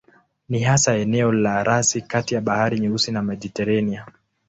Ni hasa eneo la rasi kati ya Bahari Nyeusi na Mediteranea.